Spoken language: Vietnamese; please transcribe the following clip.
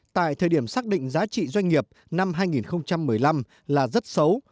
tại thời điểm xác định giá trị doanh nghiệp năm hai nghìn một mươi năm là rất xấu